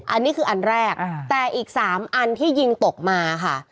อันนี้คืออันแรกแต่อีก๓อันที่ยิงตกมาค่ะ